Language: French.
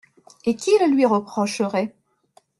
Et qui le lui reprocherait?